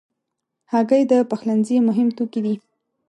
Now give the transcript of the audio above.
هګۍ د پخلنځي مهم توکي دي.